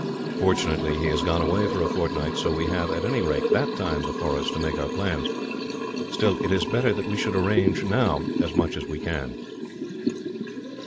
Fortunately he has gone away for a fortnight, so we have, at any rate, that time before us to make our plans. Still, it is better that we should arrange, now, as much as we can."